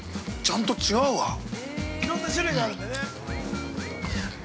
ちゃんと違うわ。